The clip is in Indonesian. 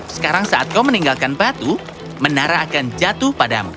sekarang saat kau meninggalkan batu menara akan jatuh padamu